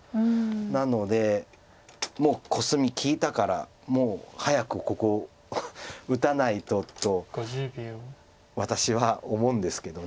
なのでもうコスミ利いたからもう早くここを打たないとと私は思うんですけど。